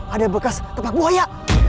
ada bekas tepak buaya